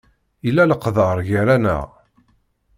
Yella leqder gar-aneɣ.